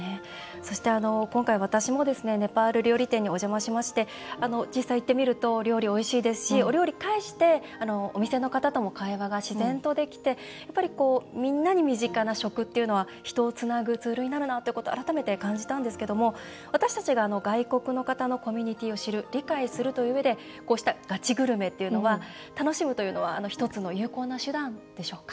今回、私もネパール料理店にお邪魔しまして実際に行ってみるとお料理おいしいですしお料理介してお店の人とも自然と会話ができてみんなに身近な食っていうのは人をつなぐツールなんだなということを改めて感じたわけですけど私たちが外国の方のコミュニティーを知る理解するといううえでガチグルメを楽しむというのも一つ有効な手段でしょうか。